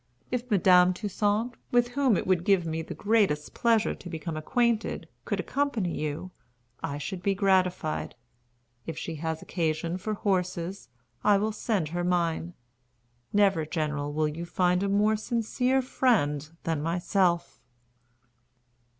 If Madame Toussaint, with whom it would give me the greatest pleasure to become acquainted, could accompany you, I should be gratified. If she has occasion for horses, I will send her mine. Never, General, will you find a more sincere friend than myself."